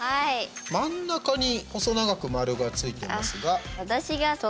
真ん中に細長く丸がついていますが。